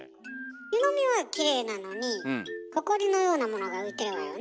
湯のみはきれいなのにホコリのようなものが浮いてるわよね。